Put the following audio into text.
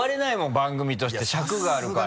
番組として尺があるから。